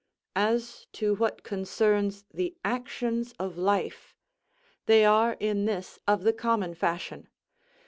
As to what concerns the actions of life, they are in this of the common fashion.